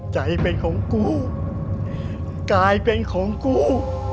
ใจเป็นของกูกลายเป็นของกู